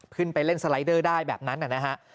ขึ้นไปเล่นสไลเดอร์ได้แบบนั้นนะฮะ